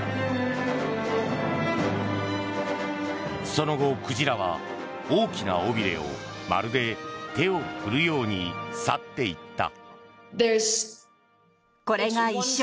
その後、鯨は大きな尾びれをまるで手を振るように去っていった。